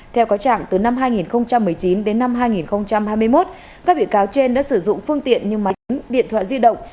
theo có trạng từ năm hai nghìn một mươi chín đến năm hai nghìn hai mươi một các bị cáo trên đã sử dụng phương tiện như máy điện thoại di động